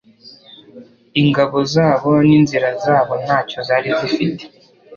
ingabo zabo n'inzira zabo ntacyo zari zifite